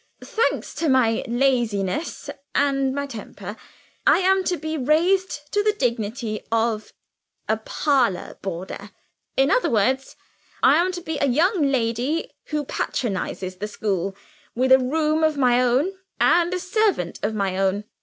Thanks to my laziness and my temper, I am to be raised to the dignity of 'a parlor boarder.' In other words, I am to be a young lady who patronizes the school; with a room of my own, and a servant of my own.